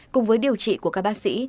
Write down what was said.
cùng với điều trị của các bác sĩ